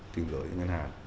tiền lợi ngân hàng